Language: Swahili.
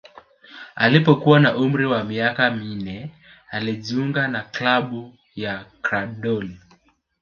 Alipokuwa na umri wa miaka minne alijiunga na klabu ya Grandoli